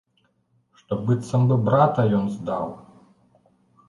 Што быццам бы брата ён здаў.